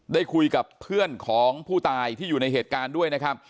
ได้คุยกับเพื่อนของผู้ตายที่อยู่ในเหตุการณ์ด้วยนะครับ